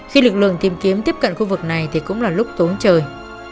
khi lực lượng tìm kiếm tiếp cận khu vực này thì cũng là lúc tốn trời